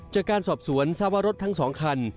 จากการสอบสวนทราบว่ารถทั้ง๒คัน